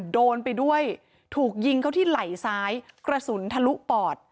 โดนไปด้วยถูกยิงเขาที่ไหล่ซ้ายกระสุนทะลุปอด